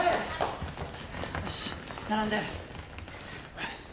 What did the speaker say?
よし並んで。